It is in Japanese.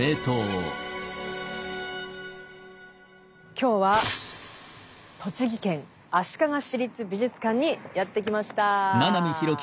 今日は栃木県足利市立美術館にやって来ました。